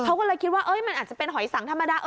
เขาก็เลยคิดว่ามันอาจจะเป็นหอยสังธรรมดา